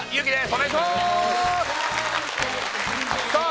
お願いしますさあ